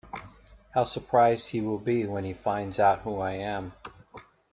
How surprised he’ll be when he finds out who I am!